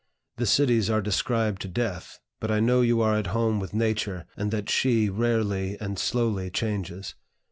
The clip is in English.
The cities are described to death; but I know you are at home with Nature, and that she rarely and slowly changes.